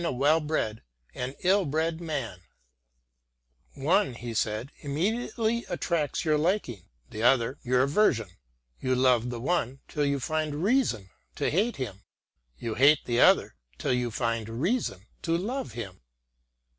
t Ibid. t Ibid. 44 SAMUEL JOHNSON " One," he said, " immediately attracts your liking, the other your aversion. You love the one till you find reason to hate him : you hate the other till you find reason to love him."